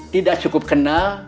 tidak cukup kenal